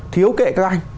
thiếu kệ các anh